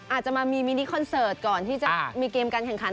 อาจจะมามีมินิคอนเสิร์ตก่อนที่จะมีเกมการแข่งขัน